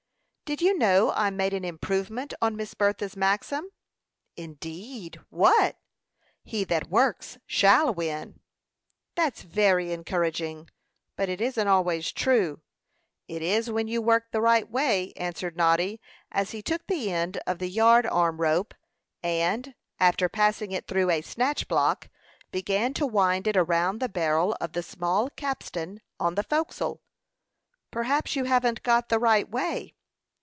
"Did you know I made an improvement on Miss Bertha's maxim?" "Indeed! What?" "He that works shall win." "That's very encouraging; but it isn't always true." "It is when you work in the right way," answered Noddy, as he took the end of the yard arm rope, and, after passing it through a snatch block, began to wind it around the barrel of the small capstan on the forecastle. "Perhaps you haven't got the right way."